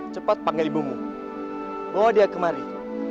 cepat panggil ibumu bawa dia kemari